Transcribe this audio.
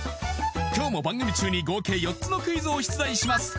今日も番組中に合計４つのクイズを出題します